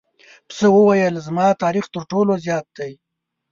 پسه وویل زما تاریخ تر ټولو زیات دی.